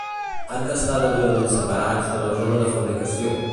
Han d'estar degudament separats de la zona de fabricació.